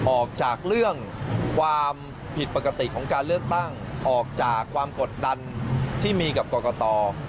ออกจากเรื่องความผิดปกติของการเลือกตั้งออกจากความกดดันที่มีกับกรกต